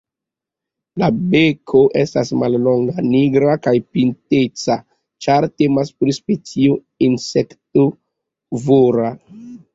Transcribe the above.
La beko estas mallonga, nigra kaj pinteca, ĉar temas pri specio insektovora.